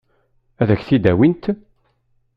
Ad k-t-id-awint?